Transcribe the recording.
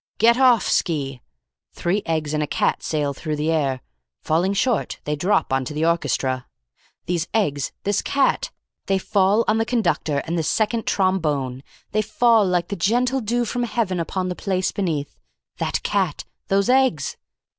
"'Get offski!' Three eggs and a cat sail through the air. Falling short, they drop on to the orchestra. These eggs! This cat! They fall on the conductor and the second trombone. They fall like the gentle dew from Heaven upon the place beneath. That cat! Those eggs!